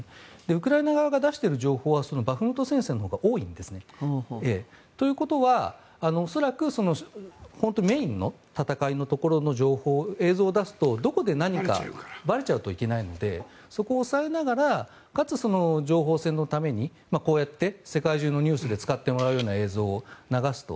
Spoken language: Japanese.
ウクライナ側が出している情報はバフムト戦線のほうが多いんですね。ということは恐らくメインの戦いのところの映像を出すとどこで何かばれちゃうといけないのでそこを押さえながらかつ、情報戦のためにこうやって世界中のニュースで使ってもらえるような映像を流すと。